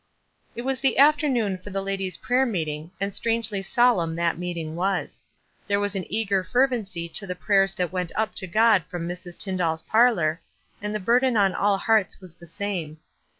It was the afternoon for the ladies' prayer meeting, and strangely solemn that meeting was. There was an eager fervency to the prayers that went up to God from Mrs. Tyndall's parlor, and the burden on all hearts was the same.